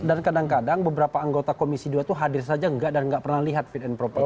dan kadang kadang beberapa anggota komisi dua itu hadir saja enggak dan enggak pernah lihat fit and proper test